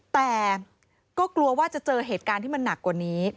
แต่ก็กลัวว่าจะเจอเหตุการณ์ที่มันหนักกว่านี้